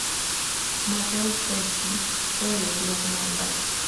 Mateu Crespí fue elegido como alcalde.